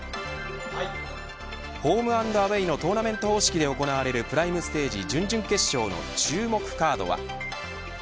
ホームアンドアウェイのトーナメント方式で行われるプライムステージ準々決勝の注目カードは。